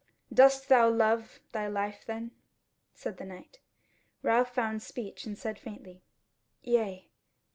"Dost thou love thy life then?" said the Knight. Ralph found speech and said faintly, "Yea."